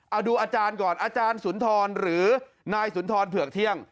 เอาดูอาจารย์ก่อนอาจารย์สุนทรหรือนายสุนทรเผือกเที่ยง